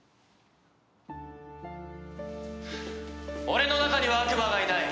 俺の中には悪魔がいない。